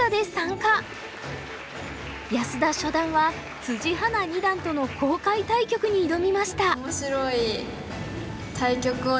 安田初段は華二段との公開対局に挑みました。